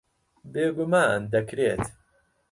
بێگومان دەکرێت.